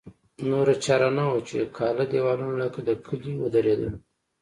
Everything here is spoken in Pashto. نوره چاره نه وه چې کاله دېوالونه لکه د کلي ودرېدل.